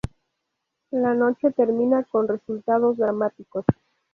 La noche termina con resultados dramáticos.